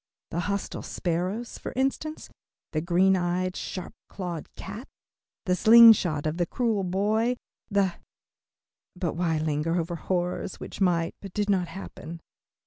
The hostile sparrows, for instance, the green eyed, sharp clawed cat, the sling shot of the cruel boy, the but why linger over horrors which might, but did not happen?